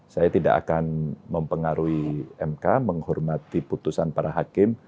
saya tidak akan mempengaruhi mk menghormati putusan para hakim